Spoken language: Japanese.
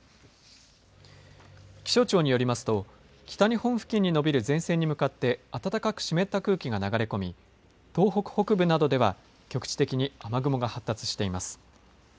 気象庁によりますと北日本付近にのびる前線に向かって暖かく湿った空気が流れ込み東北北部などでは局地的に雨雲が発達しています。